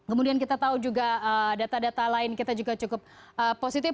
kemudian kita tahu juga data data lain kita juga cukup positif